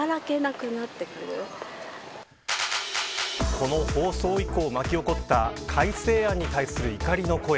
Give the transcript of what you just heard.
この放送以降巻き起こった改正案に対する怒りの声。